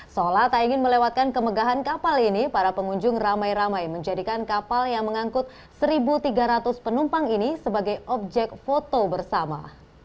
seolah tak ingin melewatkan kemegahan kapal ini para pengunjung ramai ramai menjadikan kapal yang mengangkut satu tiga ratus penumpang ini sebagai objek foto bersama